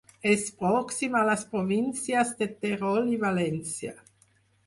És pròxim a les províncies de Terol i València.